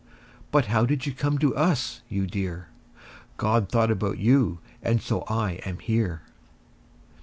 But how did you come to us, you dear? God thought about you, and so I am here.